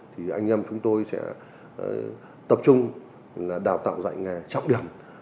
thì anh em chúng tôi sẽ tập trung đào tạo dạy nghề trọng điểm